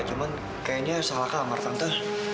cuman kayaknya salahkah amat tante